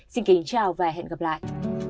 xin kính chào và hẹn gặp lại